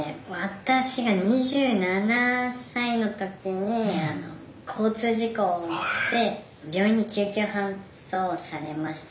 私が２７歳の時に交通事故で病院に救急搬送されました。